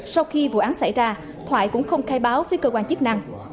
sau khi vụ án xảy ra thoại cũng không khai báo với cơ quan chức năng